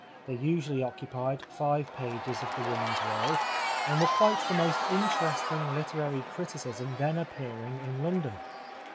They usually occupied five pages of The Woman's World, and were quite the most interesting literary criticism then appearing in London.